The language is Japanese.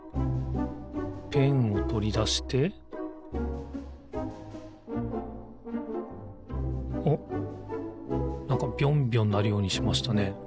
ペンをとりだしておっなんかびょんびょんなるようにしましたね。